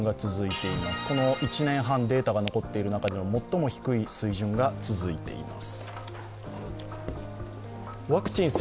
この１年半データが残っている中でも最も低い水準が続いています。